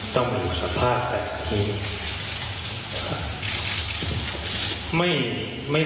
ต้องดูสภาพแบบนี้